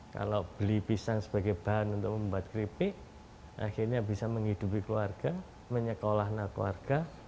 kalau beli pisang sebagai bahan untuk membuat keripik akhirnya bisa menghidupi keluarga menyekolah anak keluarga